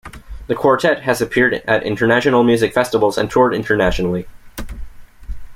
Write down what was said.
The quartet has appeared at international music festivals and toured internationally.